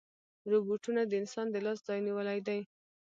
روبوټونه د انسان د لاس ځای نیولی دی.